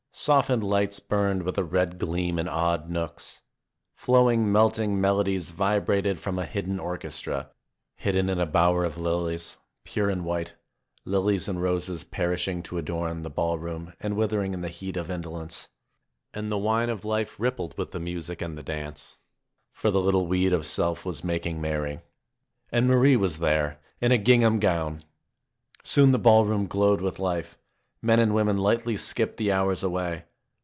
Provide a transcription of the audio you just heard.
Softened lights burned with a red gleam in odd nooks. Flowing, melting melodies vibrated from a hidden orchestra, hidden in a bower of lilies, pure and white — lilies and roses perishing to adorn the ball room and withering in the heat of indolence. And the wine of life rippled with the music and the dance. For the little weed of self was making merry. And Marie was there in a gingham gown ! Soon the ballroom glowed with life. Men and women lightly skipped the hours away.